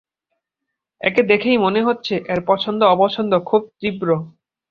একে দেখেই মনে হচ্ছে, এর পছন্দ-অপছন্দ খুব তীব্র।